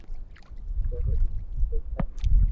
چلو ايم اي سھي ھي